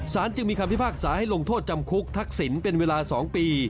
จึงมีคำพิพากษาให้ลงโทษจำคุกทักษิณเป็นเวลา๒ปี